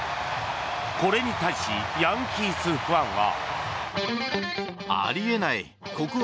これに対しヤンキースファンは。